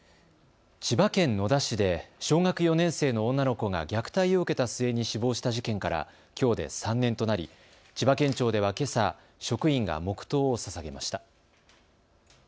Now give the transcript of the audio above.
千葉県野田市で小学４年生の女の子が虐待を受けた末に死亡した事件からきょうで３年となり千葉県庁ではけさ、職員が黙とうをささげました。